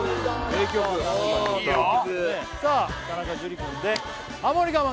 名曲さあ田中樹くんでハモリ我慢